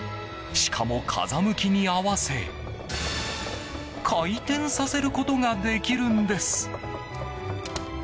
しかも風向きに合わせ回転させることができるんです。